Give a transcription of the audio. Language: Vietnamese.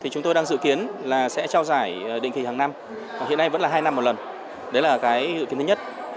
chúng tôi đang dự kiến là sẽ trao giải định kỳ hàng năm hiện nay vẫn là hai năm một lần đấy là cái dự kiến thứ nhất